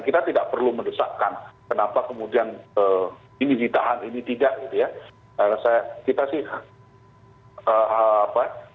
kita tidak perlu mendesakkan kenapa kemudian ini ditahan ini tidak